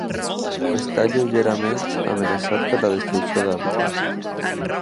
Està lleugerament amenaçat per la destrucció d'hàbitat.